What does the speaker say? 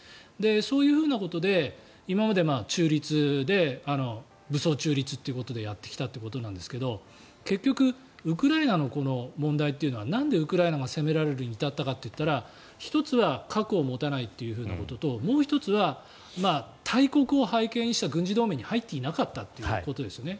そういうことで今まで中立で武装中立ということでやってきたということなんですが結局、ウクライナの問題というのはなんでウクライナが攻められるに至ったかといったら１つは核を持たないということともう１つは大国を背景にした軍事同盟に入っていなかったということですよね。